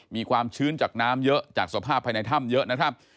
มีความชื้นจากน้ำเยอะจากสภาพภายในถ้ำเยอะนะครับ